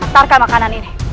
letarkan makanan ini